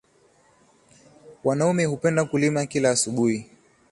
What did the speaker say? Wanaume hupenda kulima kila asubuhi.